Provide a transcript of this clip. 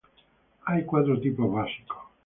Hay cuatro tipos básicos.